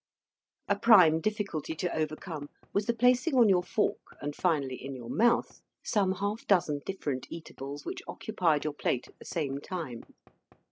A prime difficulty to overcome was the placing on your fork, and finally in your mouth, some half dozen different eatables which occupied your plate at the same time.